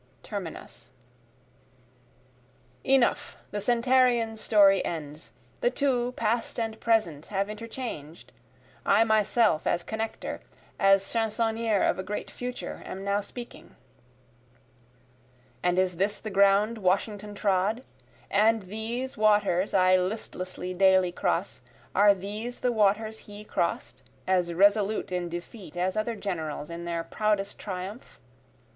[Terminus] Enough, the Centenarian's story ends, The two, the past and present, have interchanged, I myself as connecter, as chansonnier of a great future, am now speaking. And is this the ground Washington trod? And these waters I listlessly daily cross, are these the waters he cross'd, As resolute in defeat as other generals in their proudest triumphs?